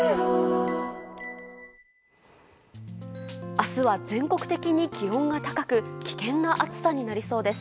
明日は全国的に気温が高く危険な暑さになりそうです。